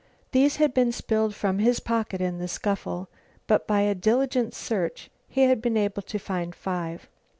These had been spilled from his pocket in the scuffle, but by a diligent search he was able to find five.